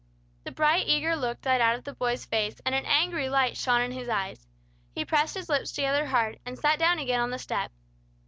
The bright, eager look died out of the boy's face, and an angry light shone in his eyes. He pressed his lips together hard, and sat down again on the step.